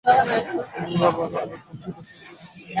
তিনি আবার অরেগন প্রদেশে ফিরে আসেন।